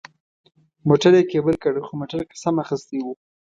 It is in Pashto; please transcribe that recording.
موټر یې کېبل کړ، خو موټر قسم اخیستی و.